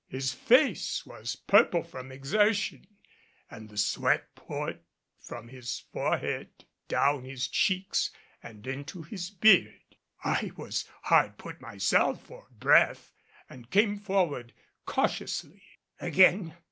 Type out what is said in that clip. His face was purple from exertion and the sweat poured from his forehead down his cheeks and into his beard. I was hard put myself for breath and came forward cautiously. "Again!